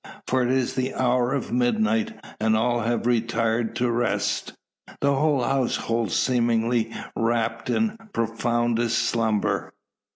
For it is the hour of midnight, and all have retired to rest the whole household seemingly wrapt in profoundest slumber.